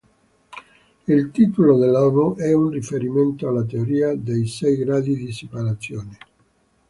Il titolo dell'album è un riferimento alla teoria dei sei gradi di separazione.